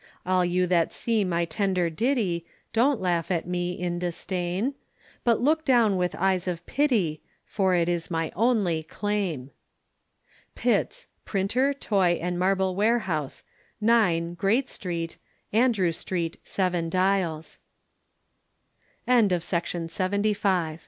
All you that see my tender ditty, Don't laugh at me in disdain, But look down with eyes of pity, For it is my only claim. Pitts, Printer, Toy and Marble Warehouse, 9, Great St. Andrew Street, Seven Dials. Trial and Execution of